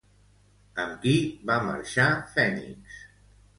Amb qui va marxar Fènix?